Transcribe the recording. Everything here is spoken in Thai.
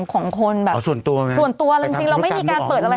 ของคนแบบส่วนตัวไงส่วนตัวเลยจริงเราไม่มีการเปิดอะไร